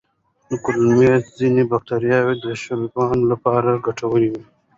د کولمو ځینې بکتریاوې د شیزوفرینیا لپاره ګټورې دي.